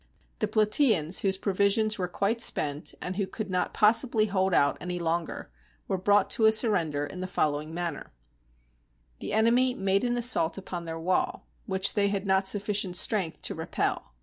... The Platasans, whose provisions were quite spent, and who could not possibly hold out any longer, were brought to a surrender in the following manner :— The enemy made an assault upon their wall, which they had not sufficient strength to repel.